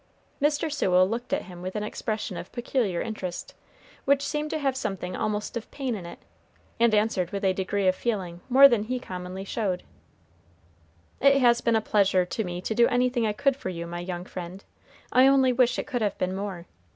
Mr. Sewell looked at him with an expression of peculiar interest, which seemed to have something almost of pain in it, and answered with a degree of feeling more than he commonly showed, "It has been a pleasure to me to do anything I could for you, my young friend. I only wish it could have been more.